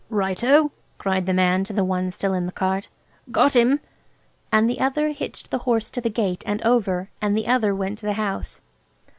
"Right oh!" cried the man to the one still in the cart; "got him." And the other hitched the horse to the gate and over, and the other went to the house.